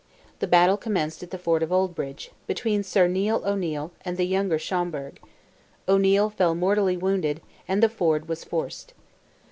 The battle commenced at the ford of Oldbridge, between Sir Neil O'Neil, and the younger Schomberg; O'Neil fell mortally wounded, and the ford was forced.